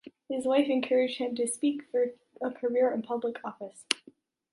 His wife encouraged him to seek for a career in public office.